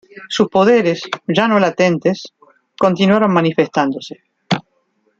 Sus poderes, ya no latentes, continuaron manifestándose.